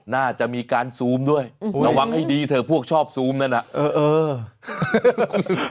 น่าจะมีการซูมด้วยระวังให้ดีเถอะพวกชอบซูมนั่นน่ะเออเออ